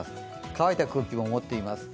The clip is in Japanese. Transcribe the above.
乾いた空気も持っています。